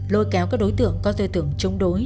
lôi kéo các đối tượng có tư tưởng chống đối